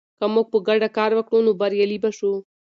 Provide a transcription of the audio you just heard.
که موږ په ګډه کار وکړو، نو بریالي به شو.